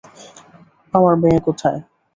আমার মেয়ে কোথায়?